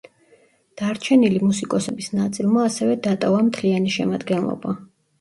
დარჩენილი მუსიკოსების ნაწილმა ასევე დატოვა მთლიანი შემადგენლობა.